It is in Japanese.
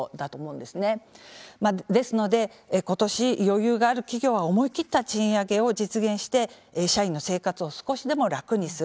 まあですので今年余裕がある企業は思い切った賃上げを実現して社員の生活を少しでも楽にする。